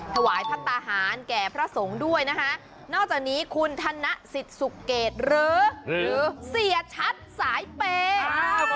ถวายพัฒนาหารแก่พระสงฆ์ด้วยนะคะนอกจากนี้คุณธนสิทธิ์สุเกตหรือเสียชัดสายเปย์